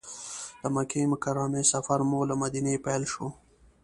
د مکې مکرمې سفر مو له مدینې پیل شو.